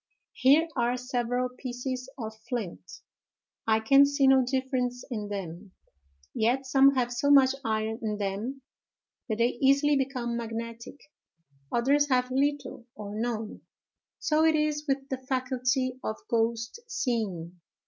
Here are several pieces of flint: I can see no difference in them; yet some have so much iron in them that they easily become magnetic; others have little or none. So it is with the faculty of ghost seeing.